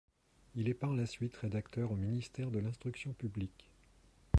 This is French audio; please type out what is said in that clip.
Il est par la suite rédacteur au ministère de l'Instruction publique.